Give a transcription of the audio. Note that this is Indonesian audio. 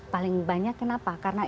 paling banyak kenapa karena